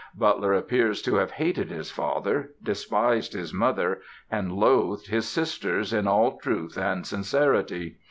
Butler appears to have hated his father, despised his mother and loathed his sisters in all truth and sincerity.